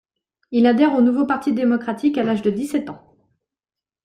Il adhère au Nouveau Parti démocratique à l'âge de dix-sept ans.